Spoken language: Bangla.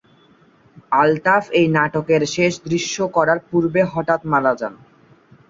আলতাফ এই নাটকের শেষ দৃশ্য করার পূর্বে হঠাৎ মারা যান।